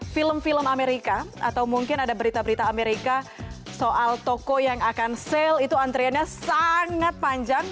film film amerika atau mungkin ada berita berita amerika soal toko yang akan sale itu antriannya sangat panjang